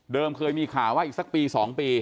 เดิมเคยมีข่าวว่าอีกสักปีสองปี